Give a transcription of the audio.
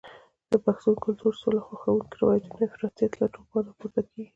د پښتون کلتور سوله خوښونکي روایتونه د افراطیت له توپانه پورته کېږي.